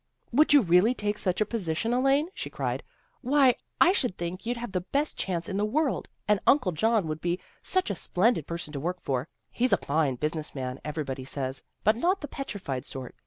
" Would you really take such a position, Elaine?" she cried. "Why, I should think you'd have the best chance in the world. And Uncle John would be such a splendid per son to work for. He's a fine business man, everybody says, but not the petrified sort.